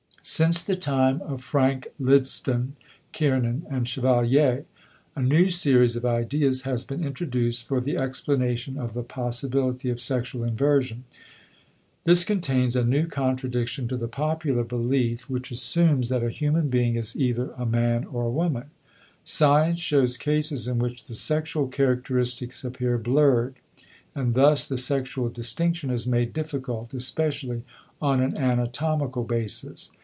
* Since the time of Frank Lydston, Kiernan, and Chevalier, a new series of ideas has been introduced for the explanation of the possibility of sexual inversion. This contains a new contradiction to the popular belief which assumes that a human being is either a man or a woman. Science shows cases in which the sexual characteristics appear blurred and thus the sexual distinction is made difficult, especially on an anatomical basis.